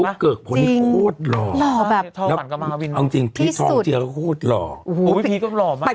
ฟุ๊กเกิกพนนี่โคตรหล่อสดที่สุดย่างหล่อพี่พีคก็หล่อมาก